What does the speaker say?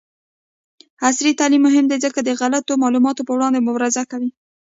عصري تعلیم مهم دی ځکه چې د غلطو معلوماتو پر وړاندې مبارزه کوي.